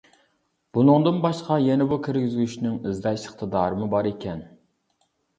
بۇنىڭدىن باشقا يەنە بۇ كىرگۈزگۈچنىڭ ئىزدەش ئىقتىدارىمۇ بار ئىكەن.